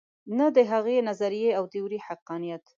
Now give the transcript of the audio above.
نه د هغې نظریې او تیورۍ حقانیت.